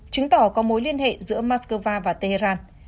chứng tỏ có mối liên hệ giữa moscow và tehran